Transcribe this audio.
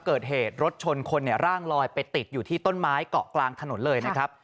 เกิดเหตุรถชนคนเนี่ยร่างลอยไปติดอยู่ที่ต้นไม้เกาะกลางถนนเลยนะครับ